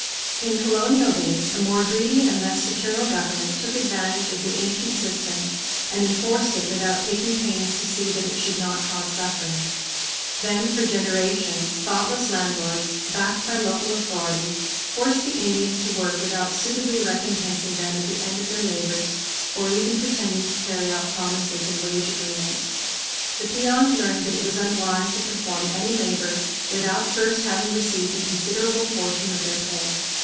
In colonial days a more greedy and less paternal government took advantage of the ancient system and enforced it without taking pains to see that it should not cause suffering. Then, for generations, thoughtless landlords, backed by local authority, forced the Indians to work without suitably recompensing them at the end of their labors or even pretending to carry out promises and wage agreements. The peons learned that it was unwise to perform any labor without first having received a considerable portion of their pay.